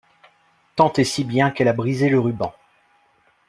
Tant et si bien qu'elle a brisé le ruban.